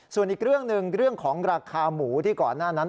ส่วนอีกเรื่องหนึ่งเรื่องของราคาหมูที่ก่อนหน้านั้น